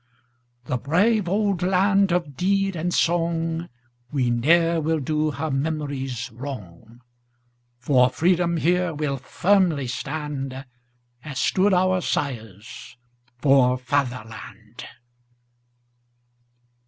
The brave old land of deed and song, We ne'er will do her memories wrong! For freedom here we'll firmly stand, As stood our sires for Fatherland!